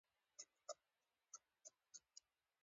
ذېرمې او ذخيرې چې په ولسي ادبياتو کې پراتې دي.